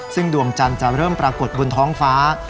ซึ่งดวงจันทร์จะเริ่มปรากฏบนท้องฟ้า